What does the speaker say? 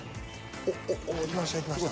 おっおっおっいきましたいきました。